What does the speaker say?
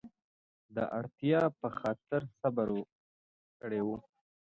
د اړتیا په خاطر صبر کړی و.